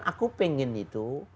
aku pengen itu